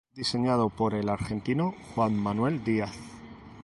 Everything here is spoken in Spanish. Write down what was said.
Diseñado por el argentino Juan Manuel Díaz.